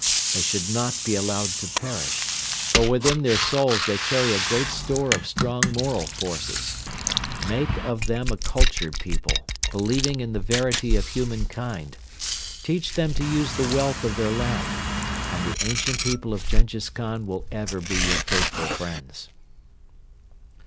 They should not be allowed to perish, for within their souls they carry a great store of strong moral forces. Make of them a cultured people, believing in the verity of humankind; teach them to use the wealth of their land; and the ancient people of Jenghiz Khan will ever be your faithful friends.